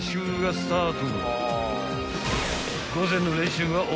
［スタート］